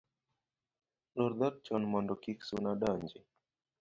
Lor dhoot chon mondo kik suna donji